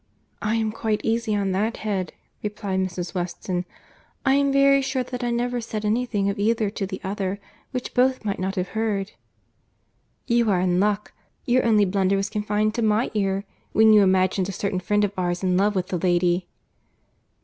"I am quite easy on that head," replied Mrs. Weston. "I am very sure that I never said any thing of either to the other, which both might not have heard." "You are in luck.—Your only blunder was confined to my ear, when you imagined a certain friend of ours in love with the lady."